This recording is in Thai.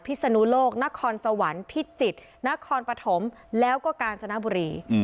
ศนุโลกนครสวรรค์พิจิตรนครปฐมแล้วก็กาญจนบุรี